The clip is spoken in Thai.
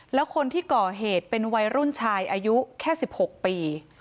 แล้วคนที่ก่อเหตุเป็นวัยรุ่นชายอายุแค่๑๖ปี